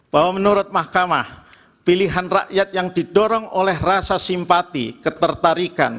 bahwa menurut mahkamah pilihan rakyat yang didorong oleh rasa simpati ketertarikan